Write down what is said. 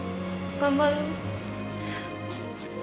頑張ろう。